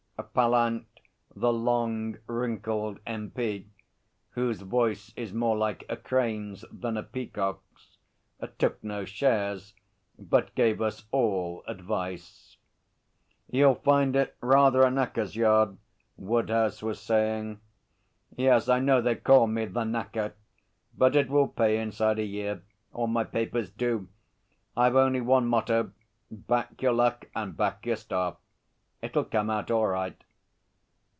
Pallant, the long, wrinkled M.P., whose voice is more like a crane's than a peacock's, took no shares, but gave us all advice. 'You'll find it rather a knacker's yard,' Woodhouse was saying. 'Yes, I know they call me The Knacker; but it will pay inside a year. All my papers do. I've only one motto: Back your luck and back your staff. It'll come out all right.'